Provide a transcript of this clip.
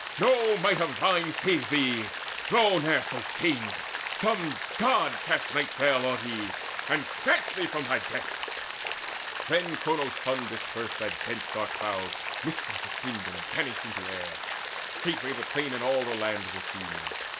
No might of thine Saved thee, though ne'er so fain! Some God hath cast Night's veil o'er thee, and snatched thee from thy death." Then Cronos' Son dispersed that dense dark cloud: Mist like it thinned and vanished into air: Straightway the plain and all the land were seen.